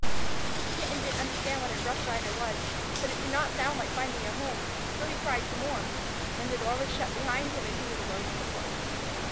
The Kitten didn't understand what a Rough Rider was, but it did not sound like finding a home, so he cried some more. Then the door was shut behind him and he was alone in the porch.